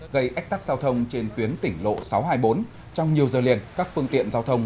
gây ách tắc giao thông trên tuyến tỉnh lộ sáu trăm hai mươi bốn trong nhiều giờ liền các phương tiện giao thông